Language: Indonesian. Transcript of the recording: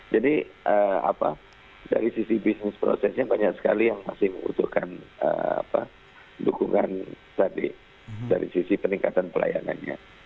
jadi dari sisi bisnis prosesnya banyak sekali yang masih membutuhkan dukungan dari sisi peningkatan pelayanannya